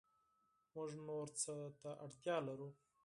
موږ نور څه ته اړتیا لرو